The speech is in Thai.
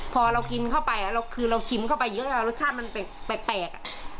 พอเรากินเข้าไปอ่ะเราคือเราชิมเข้าไปเยอะอ่ะรสชาติมันเป็นแปลกแปลกอ่ะ